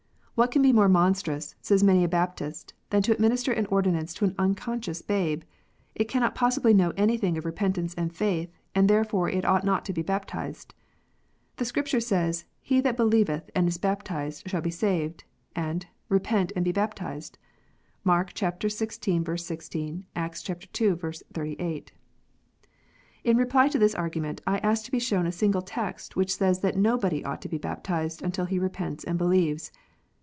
" What can be more monstrous," says many a Baptist, " than to administer an ordinance to an unconscious babe 1 It cannot possibly know anything of repentance and faith, and therefore it ought not to be baptized. The Scripture says, He that believeth and is baptized shall be saved; and, Repent, and be baptized. " (Markxvi. 16; Acts ii. 38.) In reply to this argument, I ask to be shown a single text which says that nobody ought to be baptized until he repents and believes.